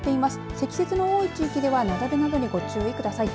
積雪の多い地域では雪崩などにご注意ください。